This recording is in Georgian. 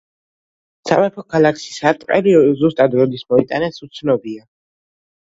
სამეფო ქალაქში სარტყელი ზუსტად როდის მოიტანეს უცნობია.